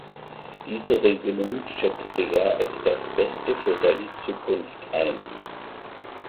Diese Regelung schätzte er als das Beste für seine Zukunft ein.